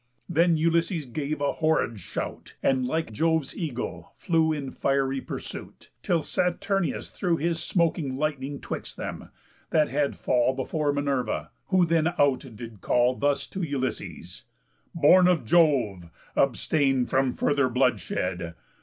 Then Ulysses gave A horrid shout, and like Jove's eagle flew In fiery pursuit, till Saturnius threw His smoking lightning 'twixt them, that had fall Before Minerva, who then out did call Thus to Ulysses: "Born of Jove! Abstain From further bloodshed.